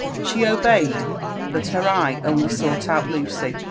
She obeyed, but her eye ODly aeught out Lucy.